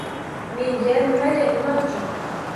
– Menga? Nimaga, nima uchun?